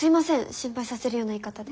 心配させるような言い方で。